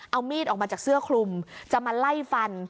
เอามีดออกมาจากเสื้อคลุมจะมาไล่ฟัน